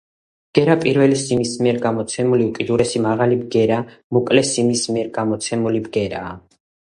ბგერა პირველი სიმის მიერ გამოცემული უკიდურესი მაღალი ბგერა მოკლე სიმის მიერ გამოცემული ბგერაა.